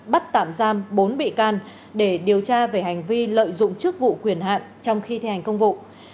bắt tạm giam bốn bị can để điều tra về hành vi lợi dụng chức vụ quyền hạn trong khi thi hành công vụ